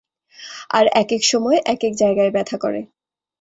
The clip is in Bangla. আর একেক সময় একেক জায়গায় ব্যথা করে।